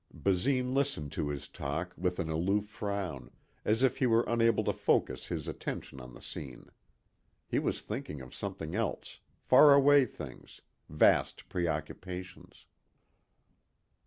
Basine listened to his talk with an aloof frown, as if he were unable to focus his attention on the scene. He was thinking of something else far away things, vast preoccupations.